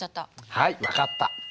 はい分かった。